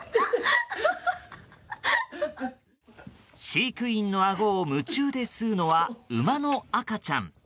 飼育員のあごを夢中で吸うのは馬の赤ちゃん。